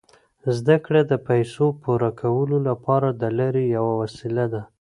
زده کړه د پیسو پوره کولو لپاره د لارې یوه وسیله ده.